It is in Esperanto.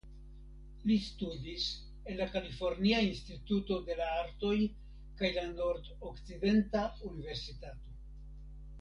Li studis en la Kalifornia Instituto de la Artoj kaj la Nordokcidenta Universitato.